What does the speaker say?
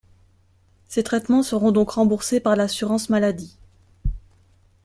Ces traitements seront donc remboursés par l'Assurance Maladie.